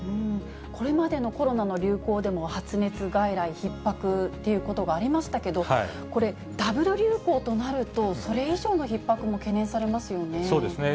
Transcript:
これまでのコロナの流行でも発熱外来ひっ迫ということがありましたけど、これ、ダブル流行となると、それ以上のひっ迫も懸念されますよね。